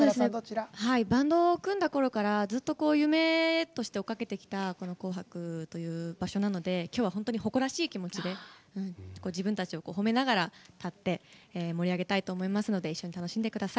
バンドを組んだころからずっと夢として追っかけてきた「紅白」という場所なので今日は、誇らしい気持ちで自分たちを褒めながら歌って盛り上げたいと思いますので一緒に楽しんでください。